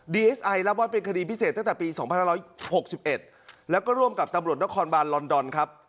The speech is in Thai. ดีเอสไอร์รับว่าเป็นคดีพิเศษตั้งแต่ปีสองพันห้าร้อยหกสิบเอ็ดแล้วก็ร่วมกับตำบรสนครบานลอนดอนครับ